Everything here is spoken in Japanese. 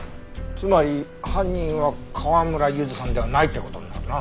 つまり犯人は川村ゆずさんではないって事になるな。